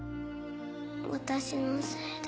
私のせいで。